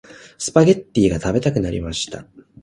スパゲッティが食べたくなりました。